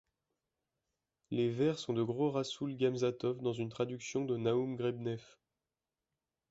Les vers sont de Rassoul Gamzatov dans une traduction de Naoum Grebnev.